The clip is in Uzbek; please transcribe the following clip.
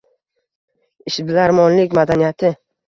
Ishbilarmonlik madaniyati